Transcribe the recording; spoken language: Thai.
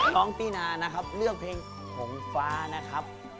น้องตี้นาเลือกเพลงของฟ้านะครับ